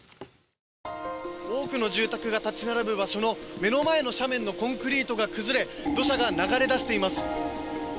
多くの住宅が立ち並ぶ場所の目の前のコンクリートが崩れ土砂が流れ出しています。